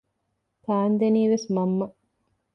ކާންދެނީވެސް މަންމަ